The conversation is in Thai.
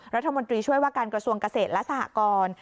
รัฐมนตรีช่วยว่าการกระทรวงเกษตรและสหกร